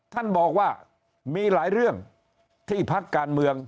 ท่านบอกว่ามีหลายเรื่องที่พักการเมือง